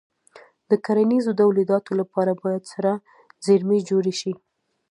د کرنیزو تولیداتو لپاره باید سړه زېرمې جوړې شي.